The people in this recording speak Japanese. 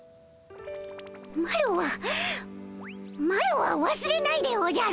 マロはマロはわすれないでおじゃる！